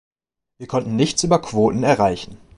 Wir konnten nichts über Quoten erreichen.